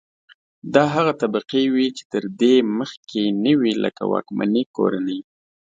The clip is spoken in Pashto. دا هغه طبقې وې چې تر دې مخکې نه وې لکه واکمنې کورنۍ.